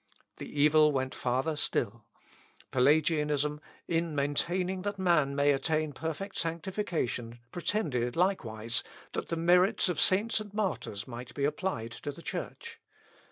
The evil went farther still. Pelagianism, in maintaining that man may attain perfect sanctification, pretended, likewise, that the merits of saints and martyrs might be applied to the Church.